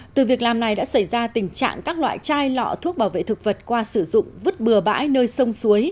từ việc làm này đã xảy ra tình trạng các loại chai lọ thuốc bảo vệ thực vật qua sử dụng vứt bừa bãi nơi sông suối